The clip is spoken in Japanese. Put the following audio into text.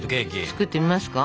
作ってみますか？